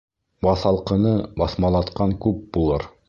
Баҫалҡыны баҫмалатҡан күп булыр.